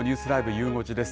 ゆう５時です。